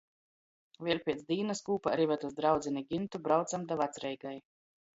Vēļ piec dīnys kūpā ar Ivetys draudzini Gintu braucam da Vacreigai.